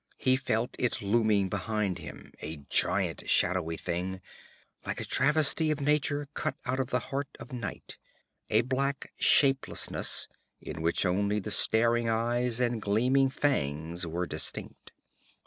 He felt it looming behind him, a giant shadowy thing, like a travesty of nature cut out of the heart of night, a black shapelessness in which only the staring eyes and gleaming fangs were distinct.